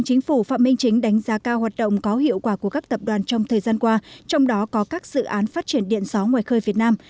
chính phủ phạm minh chính đánh giá cao hoạt động có hiệu quả của các tập đoàn trong thời gian qua trong đó có các dự án phát triển điện gió ngoài khơi việt nam